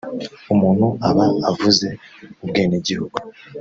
umuntu aba avuze ubwenegihugu